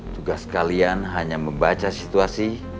tugas kalian hanya membaca situasi